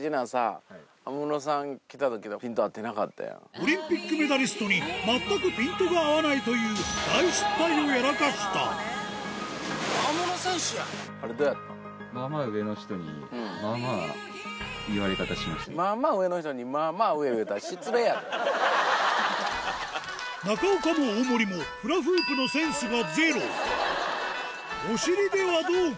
オリンピックメダリストに全くピントが合わないという大失態をやらかした中岡も大森もフラフープのお尻ではどうか？